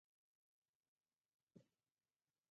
د دریمې وړتیا معلومولو لپاره د ژوند تمه سنجول کیږي.